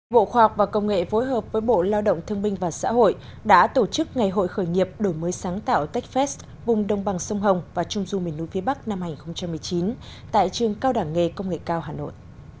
bộ khoa học và công nghệ phối hợp với bộ lao động thương minh và xã hội đã tổ chức ngày hội khởi nghiệp đổi mới sáng tạo techfest vùng đông bằng sông hồng và trung du miền núi phía bắc năm hai nghìn một mươi chín tại trường cao đảng nghề công nghệ cao hà nội